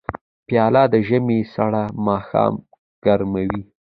پیاله د ژمي سړه ماښام ګرموي.